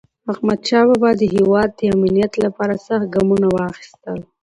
احمدشاه بابا د هیواد د امنیت لپاره سخت ګامونه واخیستل.